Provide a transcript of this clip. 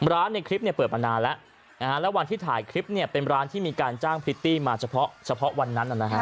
ในคลิปเปิดมานานแล้วแล้ววันที่ถ่ายคลิปเนี่ยเป็นร้านที่มีการจ้างพริตตี้มาเฉพาะวันนั้น